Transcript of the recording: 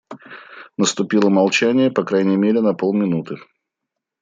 Наступило молчание по крайней мере на полминуты.